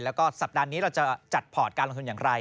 แล้วก็สัปดาห์นี้เราจะจัดพอร์ตการลงทุนอย่างไร